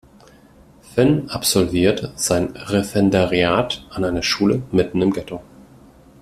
Finn absolviert sein Referendariat an einer Schule mitten im Ghetto.